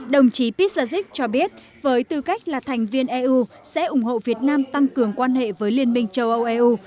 đồng chí pishazik cho biết với tư cách là thành viên eu sẽ ủng hộ việt nam tăng cường quan hệ với liên minh châu âu eu